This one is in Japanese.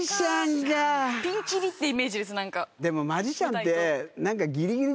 でもマジシャンって何か。